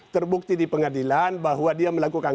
terbukti di pengadilan bahwa dia melakukan